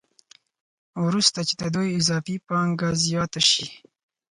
وروسته چې د دوی اضافي پانګه زیاته شي